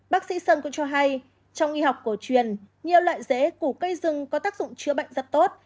bác sĩ sơn cũng cho hay trong y học cổ truyền nhiều loại rễ củ cây rừng có tác dụng chữa bệnh rất tốt